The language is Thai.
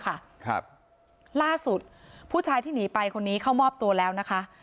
ครับล่าสุดผู้ชายที่หนีไปคนนี้เข้ามอบตัวแล้วนะคะ